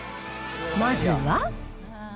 まずは。